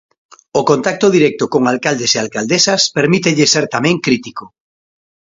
O contacto directo con alcaldes e alcaldesas permítelle ser tamén crítico.